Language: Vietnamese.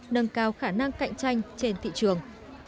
nâng cao khả năng cạnh tranh trên thị trường